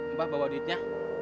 mbah bawa duitnya